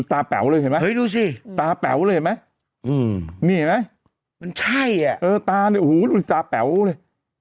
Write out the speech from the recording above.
ตาแป๋วเห็นไหมมันใช่ตาแป๋วเลย